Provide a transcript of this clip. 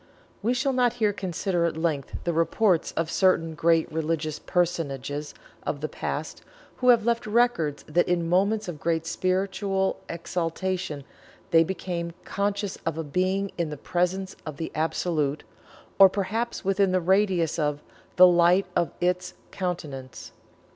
We shall not here consider at length the reports of certain great religious personages of the past, who have left records that in moments of great spiritual exaltation they became conscious of "being in the presence of the Absolute," or perhaps within the radius of "the light of Its countenance."